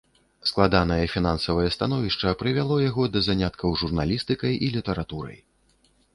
Складанае фінансавае становішча прывяло яго да заняткаў журналістыкай і літаратурай.